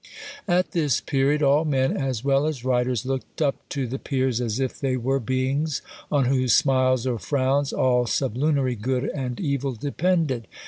At this period all men, as well as writers, looked up to the peers as if they were beings on whose smiles or frowns all sublunary good and evil depended.